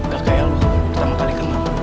kakak ya lu pertama kali kenal